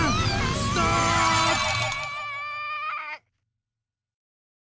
ストップ！